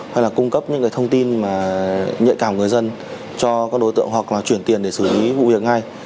hay là cung cấp những cái thông tin mà nhạy cảm người dân cho các đối tượng hoặc là chuyển tiền để xử lý vụ việc ngay